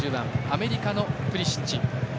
アメリカのプリシッチ。